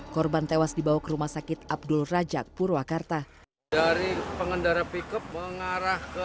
korban tewas dibawa ke rumah sakit abdul rajak purwakarta dari pengendara pickup mengarah ke